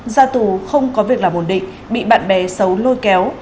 ra tù không có việc là bổn định bị bạn bè xấu lôi kéo